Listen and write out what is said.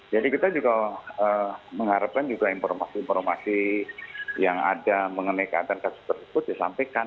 jadi kita juga mengharapkan juga informasi informasi yang ada mengenai keadaan kasus tersebut disampaikan